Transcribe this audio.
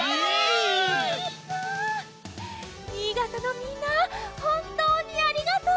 新潟のみんなほんとうにありがとう。